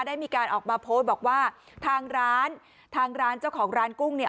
ได้มีการออกมาโพสต์บอกว่าทางร้านทางร้านเจ้าของร้านกุ้งเนี่ย